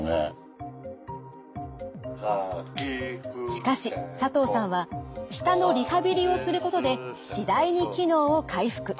しかし佐藤さんは舌のリハビリをすることで次第に機能を回復。